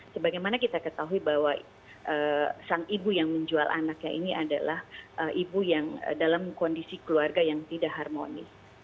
sebagaimana kita ketahui bahwa sang ibu yang menjual anaknya ini adalah ibu yang dalam kondisi keluarga yang tidak harmonis